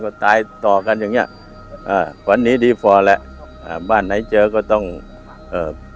ก็ตายต่อกันอย่างเงี้ยอ่าวันนี้ดีฟอร์แล้วอ่าบ้านไหนเจอก็ต้องเอ่อ